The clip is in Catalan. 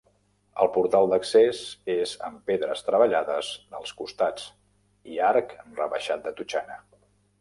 El portal d'accés és amb pedres treballades als costats i arc rebaixat de totxana.